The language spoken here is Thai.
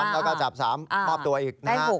ตอนแรกก็จับ๓แล้วก็จับ๓มอบตัวอีกนะฮะ